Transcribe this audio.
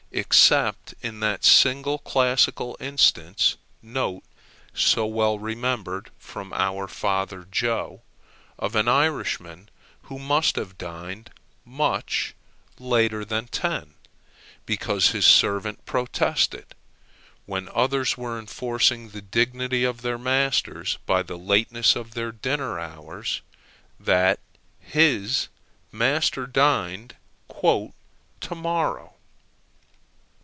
except in that single classical instance (so well remembered from our father Joe) of an Irishman who must have dined much later than ten, because his servant protested, when others were enforcing the dignity of their masters by the lateness of their dinner hours, that his master dined "to morrow."